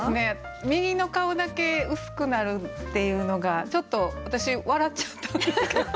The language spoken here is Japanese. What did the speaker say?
「右の顔だけ薄くなる」っていうのがちょっと私笑っちゃったんだけど。